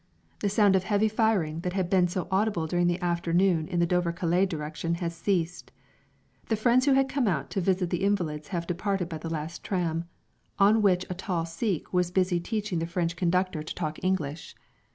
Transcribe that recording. The sound of heavy firing that had been so audible during the afternoon in the Dover Calais direction has ceased. The friends who had come out to visit the invalids have departed by the last tram, on which a tall Sikh was busy teaching the French conductor to talk English.